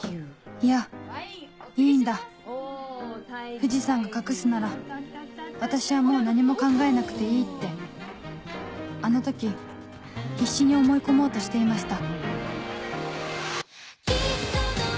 いやいいんだ藤さんが隠すなら私はもう何も考えなくていいってあの時必死に思い込もうとしていました